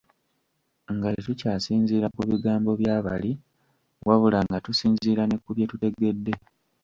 Nga tetukyasinziira ku bigambo bya bali wabula nga tusinziira ne ku bye tutegedde.